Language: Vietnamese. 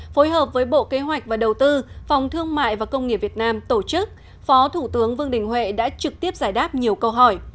phối hợp với bộ kế hoạch và đầu tư phòng thương mại và công nghiệp việt nam tổ chức phó thủ tướng vương đình huệ đã trực tiếp giải đáp nhiều câu hỏi